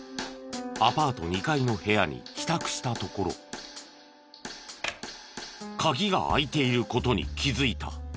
アパート２階の部屋に帰宅したところ鍵が開いている事に気づいた。